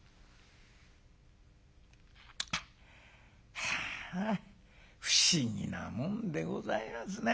「はあ不思議なもんでございますな。